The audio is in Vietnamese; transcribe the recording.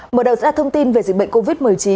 mở đầu ra thông tin về dịch bệnh covid một mươi chín